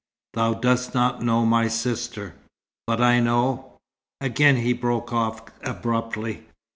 "Thou dost not know my sister." "But I know " Again he broke off abruptly.